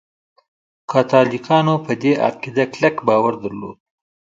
کاتولیکانو په دې عقیده کلک باور درلود.